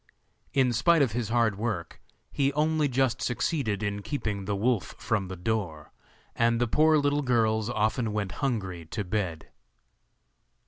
In spite of his hard work he only just succeeded in keeping the wolf from the door, and the poor little girls often went hungry to bed.